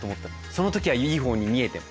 その時はいいほうに見えても。